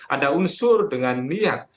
ada unsur dengan niat